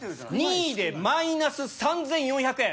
２位でマイナス３４００円。